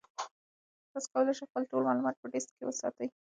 تاسي کولای شئ خپل ټول معلومات په ډیسک کې وساتئ.